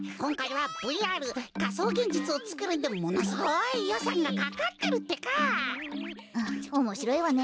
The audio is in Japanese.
はあおもしろいわね。